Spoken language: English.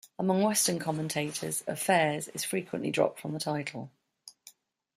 Among Western commentators, "Affairs" is frequently dropped from the title.